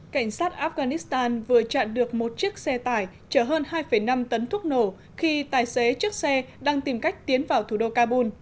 cảnh sát afghanistan vừa chặn được một chiếc xe tải chở hơn hai năm tấn thuốc nổ khi tài xế chiếc xe đang tìm cách tiến vào thủ đô kabul